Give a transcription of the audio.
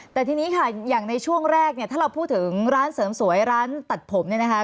แต่ทีนี้ค่ะอย่างในช่วงแรกเนี่ยถ้าเราพูดถึงร้านเสริมสวยร้านตัดผมเนี่ยนะคะ